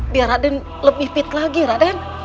biar raden lebih fit lagi raden